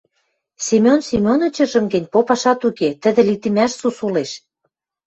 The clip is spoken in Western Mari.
Семен Семенычыжым гӹнь попашат уке, тӹдӹ литӹмӓш сусу ылеш.